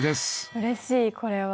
うれしいこれは。